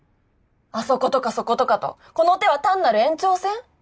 アソコとかソコとかとこの手は単なる延長線？